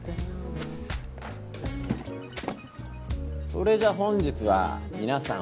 それじゃ本日はみなさん